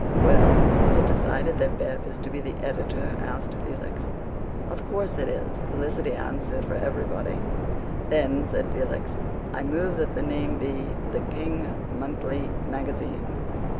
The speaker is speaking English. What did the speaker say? "Well, is it decided that Bev is to be editor?" asked Felix. "Of course it is," Felicity answered for everybody. "Then," said Felix, "I move that the name be The King Monthly Magazine."